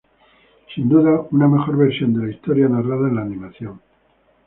Sin duda una mejor version de la historia narrada en la animación.